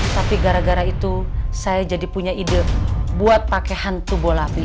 tapi gara gara itu saya jadi punya ide untuk pakai hantu bola api